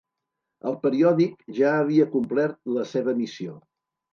El periòdic ja havia complert la seva missió.